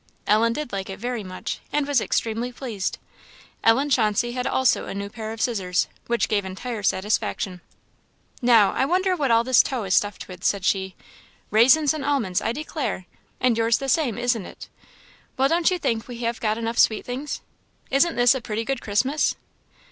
Ellen did like it very much, and was extremely pleased. Ellen Chauncey had also a new pair of scissors, which gave entire satisfaction. "Now, I wonder what all this toe is stuffed with," said she, "raisins and almonds, I declare! and yours the same, isn't it? Well, don't you think we have got enough sweet things? Isn't this a pretty good Christmas?"